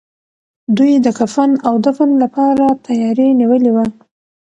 دوی د کفن او دفن لپاره تياری نيولی و.